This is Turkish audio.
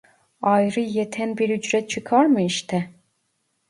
Ayrıyeten bir ücret çıkar mı işte